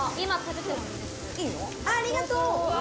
ありがとう。